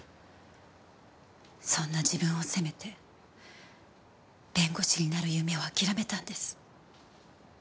そんな自分を責めて弁護士になる夢を諦めたんです。